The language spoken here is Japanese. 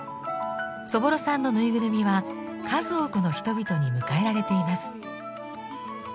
そぼろさんのぬいぐるみは数多くの人々に迎えられています。